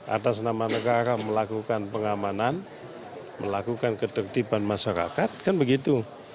atas nama negara melakukan pengamanan melakukan ketertiban masyarakat kan begitu